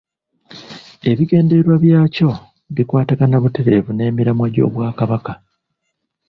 Ebigendererwa byakyo bikwatagana butereevu n’emiramwa gy’Obwakabaka.